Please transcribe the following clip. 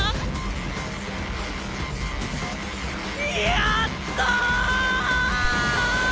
やった‼